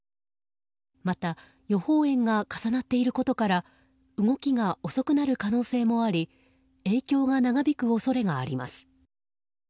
また、予報円が重なっていることから動きが遅くなる可能性もあり影響が長引く恐れがあります。